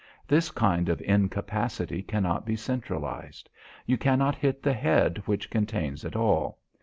This kind of incapacity cannot be centralised. You cannot hit the head which contains it all.